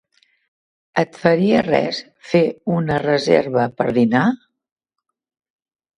Et faria res fer una reserva per dinar?